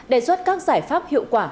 đề xuất các giải pháp hiệu quả